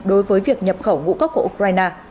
đối với việc nhập khẩu ngũ gốc của ukraine